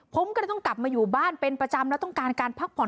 ผมก็เลยต้องกลับมาอยู่บ้านเป็นประจำแล้วต้องการการพักผ่อน